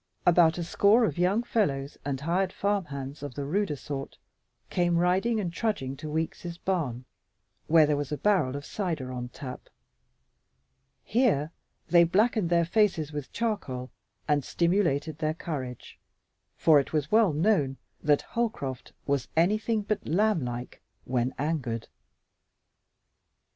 About a score of young fellows and hired farm hands of the ruder sort came riding and trudging to Weeks' barn, where there was a barrel of cider on tap. Here they blackened their faces with charcoal and stimulated their courage, for it was well known that Holcroft was anything but lamblike when angered.